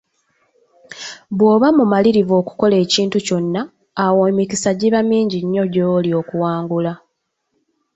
Bw'oba mumalirivu okukola ekintu kyonna, awo emikisa giba mingi nnyo gy'oli okuwangula.